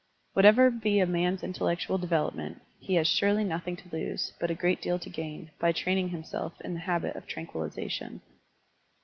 Whatever be a man's intel lectual development, he has surely nothing to lose, but a great deal to gain, by training him self in the habit of tranquillization.